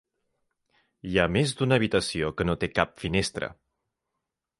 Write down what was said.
Hi ha més d'una habitació que no té cap finestra.